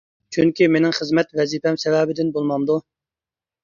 چۈنكى مېنىڭ خىزمەت ۋەزىپەم سەۋەبىدىن بولمامدۇ!